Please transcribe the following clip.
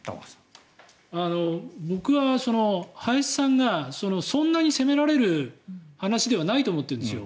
僕は、林さんがそんなに責められる話ではないと思ってるんですよ。